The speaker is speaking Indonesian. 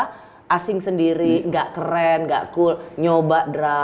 iya karena kan jadi kayak asing sendiri gak keren gak cool nyoba drama